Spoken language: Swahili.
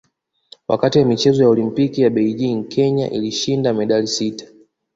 Wakati wa michezo ya Olimpiki ya Beijing Kenya ilishinda medali sita